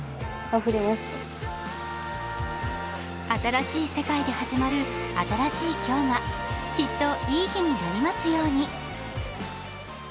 新しい世界で始まる新しい今日がきっと、いい日になりますように。